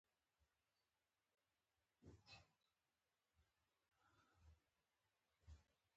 هڅه مې وکړه د شپې په اړه یو څه ووایم.